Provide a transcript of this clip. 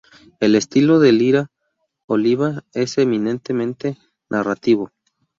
El estilo de Liria-Oliva es eminentemente narrativo.